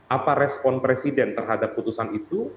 apa respon presiden terhadap putusan itu